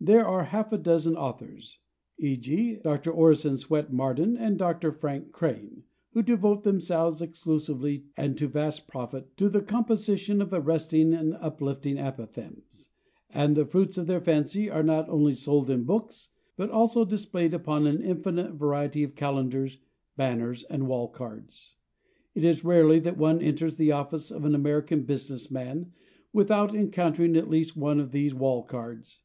There are half a dozen authors, /e. g./, Dr. Orison Swett Marden and Dr. Frank Crane, who devote themselves exclusively, and to vast profit, to the composition of arresting and uplifting apothegms, and the fruits of their fancy are not only sold in books but also displayed upon an infinite variety of calendars, banners and wall cards. It is rarely that one enters the office of an American business man without encountering at least one of these wall cards.